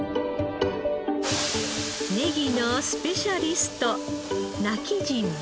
ネギのスペシャリストうわあ！